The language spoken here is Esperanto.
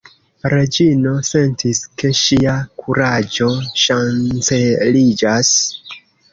Reĝino sentis, ke ŝia kuraĝo ŝanceliĝas.